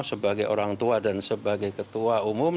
sebagai orang tua dan sebagai ketua umum